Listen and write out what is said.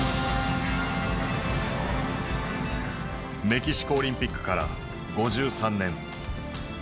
メキシコオリンピックから５３年。